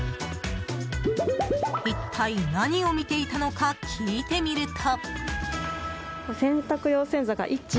一体何を見ていたのか聞いてみると。